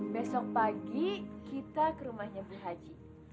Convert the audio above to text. besok pagi kita ke rumahnya bu haji